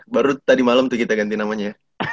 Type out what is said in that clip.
baru tadi malam tuh kita ganti namanya